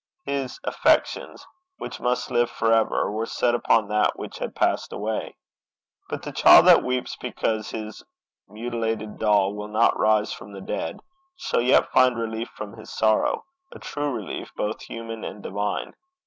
His affections, which must live for ever, were set upon that which had passed away. But the child that weeps because his mutilated doll will not rise from the dead, shall yet find relief from his sorrow, a true relief, both human and divine.